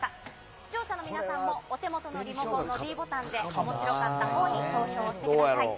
視聴者の皆さんも、お手元のリモコンのｄボタンでおもしろかったほうに投票をしてください。